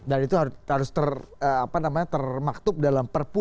dan itu harus termaktub dalam perpu